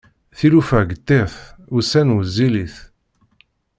Tilufa ggtit, ussan wezzilit.